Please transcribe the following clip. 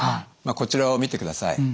こちらを見てください。